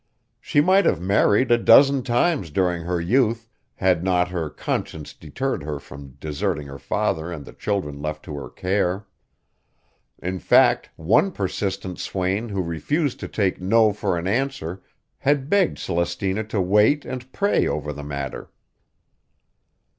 She might have married a dozen times during her youth had not her conscience deterred her from deserting her father and the children left to her care. In fact one persistent swain who refused to take "No" for an answer had begged Celestina to wait and pray over the matter.